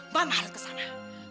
mama harus ke sana